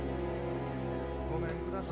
ごめんください。